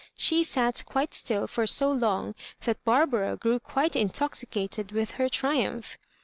She sat quite still for so long that Barbara grew quite intoxicated with her triumph.